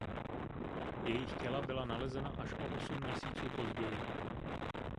Jejich těla byla nalezena až o osm měsíců později.